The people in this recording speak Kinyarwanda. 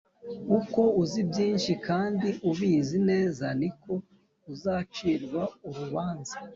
uko uzi byinshi kandi ubizi neza niko uzacirwa urubanza